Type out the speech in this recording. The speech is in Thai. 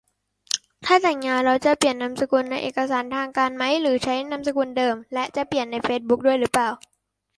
ถ้าแต่งงานแล้วจะเปลี่ยนนามสกุลในเอกสารทางการไหม หรือใช้นามสกุลเดิม และจะเปลี่ยนในเฟซบุ๊กด้วยรึเปล่า